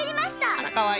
あらかわいい！